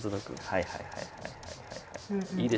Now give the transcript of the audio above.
はいはいはいはい。